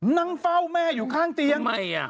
นั่งเฝ้าแม่อยู่ข้างเตียง